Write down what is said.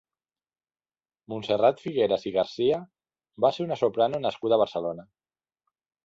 Montserrat Figueras i Garcia va ser una soprano nascuda a Barcelona.